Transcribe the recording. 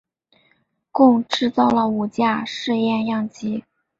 共制造了五架试验样机。